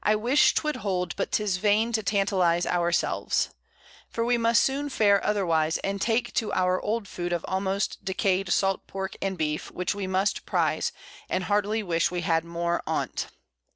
I wish 'twould hold, but 'tis in vain to tantalize our selves; for we must soon fare otherwise, and take to our old Food of almost decay'd Salt Pork and Beef, which we must prize, and heartily wish we had more on't.